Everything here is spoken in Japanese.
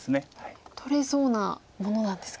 取れそうなものなんですか。